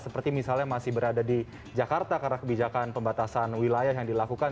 seperti misalnya masih berada di jakarta karena kebijakan pembatasan wilayah yang dilakukan